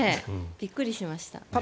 びっくりしました。